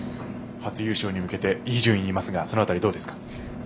初優勝に向けていい順位にいますがどうでしょうか。